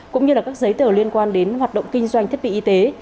cũng như là các giấy tờ liên quan đến hoạt động kinh doanh thiết bị y tế